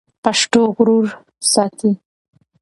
پښتو غرور ساتي.